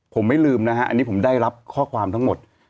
ผมไม่ลืมนะฮะอันนี้ผมได้รับข้อความทั้งหมด